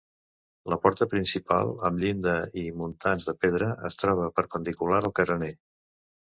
La porta principal, amb llinda i muntants de pedra, es troba perpendicular al carener.